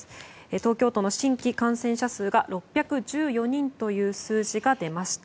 東京都の新規感染者数が６１４人という数字が出ました。